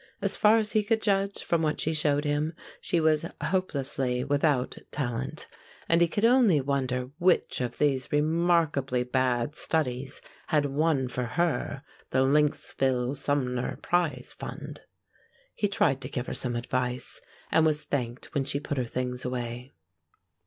As far as he could judge from what she showed him, she was hopelessly without talent, and he could only wonder which of these remarkably bad studies had won for her the Lynxville Sumner Prize Fund. He tried to give her some advice, and was thanked when she put her things away.